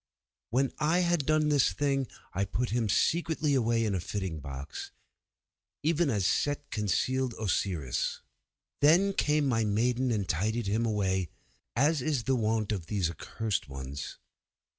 When I had done this thing I put him secretly away in a fitting box, even as Set concealed Osiris. Then came my maidens and tidied him away, as is the wont of these accursed ones.